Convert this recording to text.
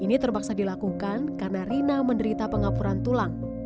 ini terpaksa dilakukan karena rina menderita pengapuran tulang